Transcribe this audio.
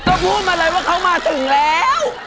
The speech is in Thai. ก็พูดมาเลยว่าเขามาถึงแล้ว